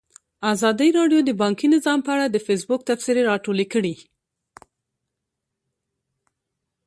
ازادي راډیو د بانکي نظام په اړه د فیسبوک تبصرې راټولې کړي.